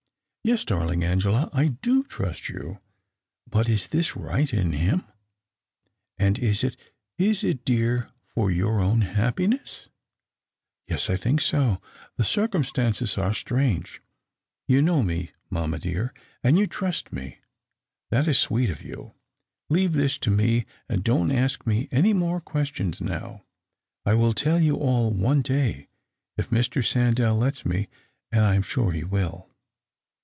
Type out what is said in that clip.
" Yes, darling Angela, I do trust you. But is this right in him ? And is it — is it, dear — for your own happiness ?"" Yes, I think so. The circumstances are strangle. You know me, mamma dear, and you trust me. That is sweet of you. Leave this to me, and don't ask me any more questions now. I will tell you all one day, if Mr. Sandell lets me ; and I am sure he will."